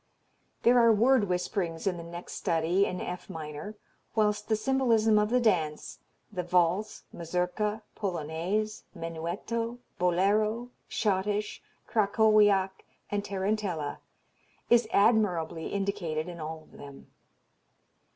There are word whisperings in the next study in F minor, whilst the symbolism of the dance the Valse, Mazurka, Polonaise, Menuetto, Bolero, Schottische, Krakowiak and Tarantella is admirably indicated in all of them.